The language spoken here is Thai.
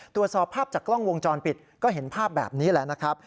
ตรวจสอบภาพจากกล้องวงจรปิดก็เห็นภาพแบบนี้แหละนะครับ